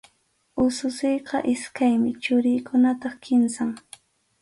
Ususiyqa iskaymi, churiykunataq kimsam.